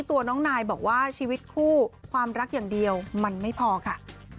ตัวน้องนายบอกว่าชีวิตคู่ความรักอย่างเดียวมันไม่พอค่ะ